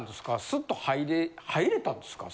スッと入れたんですか？